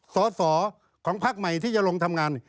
สอสอของพักใหม่ที่จะลงทำงาน